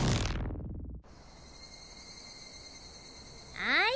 はい！